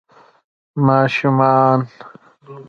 ماشومان